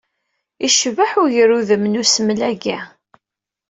Icbeḥ ugrudem n usmel-agi.